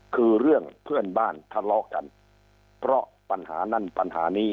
คือเรื่องเพื่อนบ้านทะเลาะกันเพราะปัญหานั่นปัญหานี้